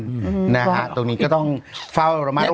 อืมนะฮะตรงนี้ก็ต้องเฝ้าระมัดระวัง